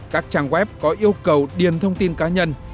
các trang web có yêu cầu điền thông tin cá nhân